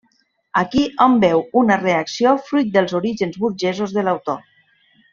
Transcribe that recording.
Aquí hom veu una reacció fruit dels orígens burgesos de l'autor.